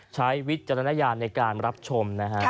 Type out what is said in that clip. วิจารณญาณในการรับชมนะฮะ